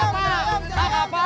tak apa tak apa